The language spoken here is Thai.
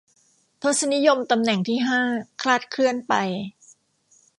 ทศนิยมตำแหน่งที่ห้าคลาดเคลื่อนไป